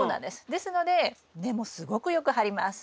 ですので根もすごくよく張ります。